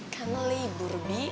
kan libur bi